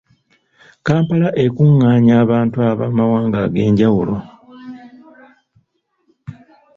Kampala ekungaanya abantu ab’amawanga ag’enjawulo!